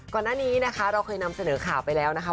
ก่อนหน้านี้นะคะเราเคยนำเสนอข่าวไปแล้วนะคะ